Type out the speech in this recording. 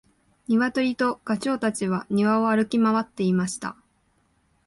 ニワトリとガチョウたちは庭を歩き回っていました。